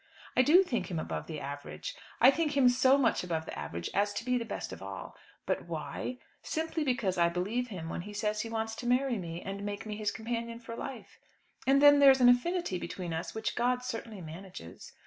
I do think him above the average. I think him so much above the average as to be the best of all. But why? Simply because I believe him when he says he wants to marry me, and make me his companion for life. And then there's an affinity between us which God certainly manages.